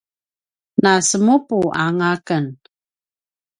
nasemupuanga aken